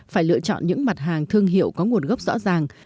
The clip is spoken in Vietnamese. phải lựa chọn những mặt hàng thương hiệu có nguồn gốc rõ ràng